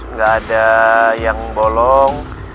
nggak ada yang bolong